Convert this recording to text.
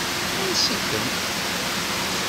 Ansi-kem?